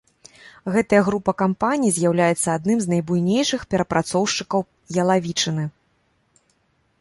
Гэтая група кампаній з'яўляецца адным з найбуйнейшых перапрацоўшчыкаў ялавічыны.